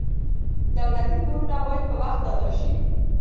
دولتي پورونه باید په وخت ادا شي.